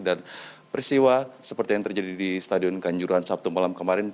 dan persiwa seperti yang terjadi di stadion kanjuran sabtu malam kemarin